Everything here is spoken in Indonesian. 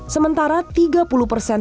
sementara tiga puluh persen